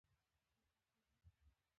د چرګانو فارمونه څومره دي؟